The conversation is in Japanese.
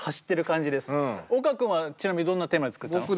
岡君はちなみにどんなテーマで作ったの？